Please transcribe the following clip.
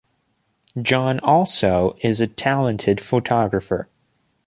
John also is a talented photographer.